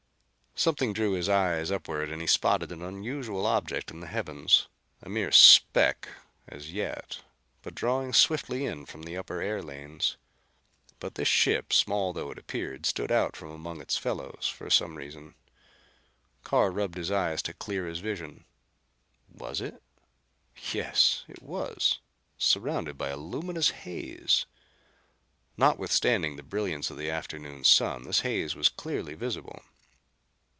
Something drew his eyes upward and he spotted an unusual object in the heavens, a mere speck as yet but drawing swiftly in from the upper air lanes. But this ship, small though it appeared, stood out from amongst its fellows for some reason. Carr rubbed his eyes to clear his vision. Was it? Yes it was surrounded by a luminous haze. Notwithstanding the brilliance of the afternoon sun, this haze was clearly visible.